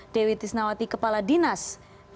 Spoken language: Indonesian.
dewi tisnawati kepala dinas dpm ptn